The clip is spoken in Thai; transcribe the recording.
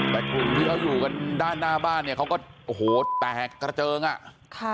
แต่กลุ่มที่เขาอยู่กันด้านหน้าบ้านเนี่ยเขาก็โอ้โหแตกกระเจิงอ่ะค่ะ